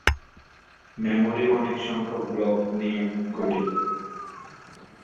Memory অনেক সংখ্যক block নিয়ে গঠিত।